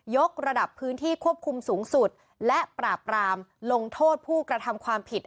กระดับพื้นที่ควบคุมสูงสุดและปราบรามลงโทษผู้กระทำความผิด